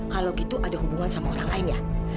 kalau gitu ada hubungan sama orang lain ya